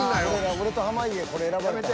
俺と濱家これ選ばれたら。